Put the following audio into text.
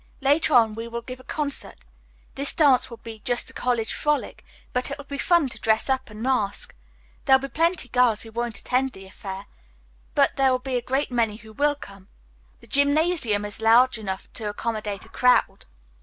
Later on we will give a concert. This dance will be just a college frolic, but it will be fun to dress up and mask. There will be plenty of girls who won't attend the affair, but there will be a great many who will come. The gymnasium is large enough to accommodate a crowd.